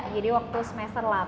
jadi waktu semester delapan